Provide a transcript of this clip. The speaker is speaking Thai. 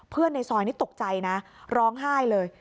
ในซอยนี่ตกใจนะร้องไห้เลย